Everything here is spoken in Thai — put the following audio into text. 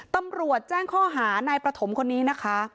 ตำรวจแจ้งข้อหานายประถมคนนี้นะคะ